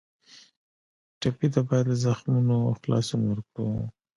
ټپي ته باید له زخمونو خلاصون ورکړو.